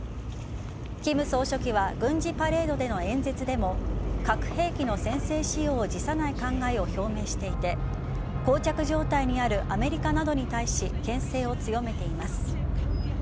金総書記は軍事パレードでの演説でも核兵器の先制使用を辞さない考えを表明していて膠着状態にあるアメリカなどに対しけん制を強めています。